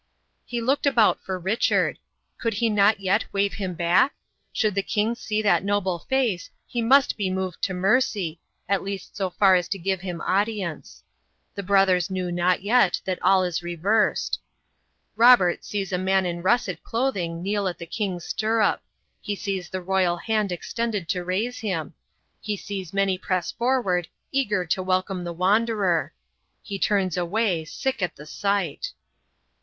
He looked about for Richard. Could he not yet wave him back? Should the king see that noble face, he must be moved to mercy, at least so far as to give him audience. The brothers know not yet that all is reversed. Robert sees a man in russet clothing kneel at the king's stirrup; he sees the royal hand extended to raise him; he sees many press forward eager to welcome the wanderer. He turns away, sick at the sight.